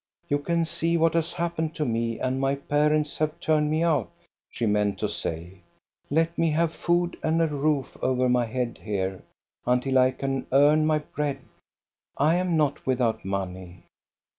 You can see what has happened to me, and my parents have turned me out," she meant to say. " Let me have food and a roof over my head here, until I can earn my bread. I am not without money."